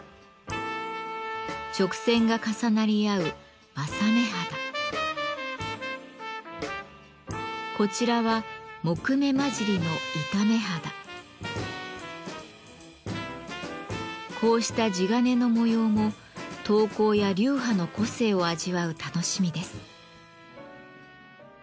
直線が重なり合うこちらはこうした地鉄の模様も刀工や流派の個性を味わう楽しみです。